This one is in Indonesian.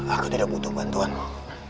aku tidak butuh bantuanmu